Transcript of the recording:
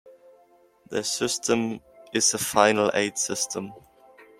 The system is a final eight system.